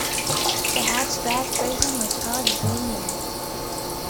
The hatchback version was called "Juliet".